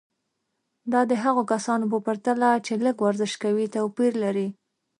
دا د هغو کسانو په پرتله چې لږ ورزش کوي توپیر لري.